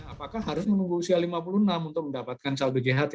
apakah harus menunggu usia lima puluh enam untuk mendapatkan saldo jht